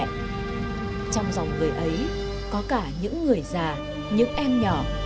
trong dòng người ấy có cả những người già những em nhỏ